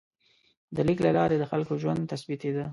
د لیک له لارې د خلکو ژوند ثبتېده.